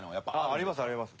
ありますあります